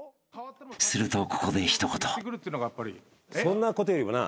［するとここで一言］